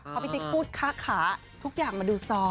พอพี่ติ๊กพูดค่าขาทุกอย่างมาดูซ้อ